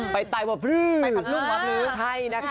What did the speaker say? ไปไตวบลื้อ